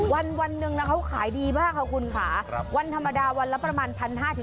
วันหนึ่งเขาขายดีมากค่ะคุณค่ะวันธรรมดาวันละประมาณ๑๕๐๐๒๐๐๐บาท